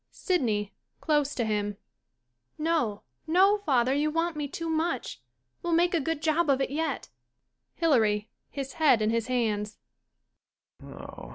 SYDNEY IClose to him,'] No, no, father, you want me too much. We'll make a good job of it yet. HILARY IHis head in his hands."